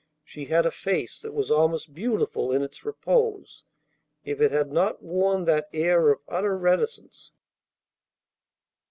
She had a face that was almost beautiful in its repose, if it had not worn that air of utter reticence.